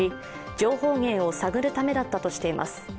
情報源を探るためだったとしています。